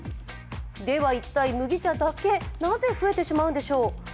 では一体、麦茶だけなぜ増えてしまうんでしょう？